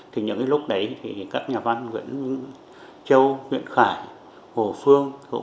thì những lúc đấy thì các nhà văn nguyễn châu nguyễn khải hồ phương hồ mạng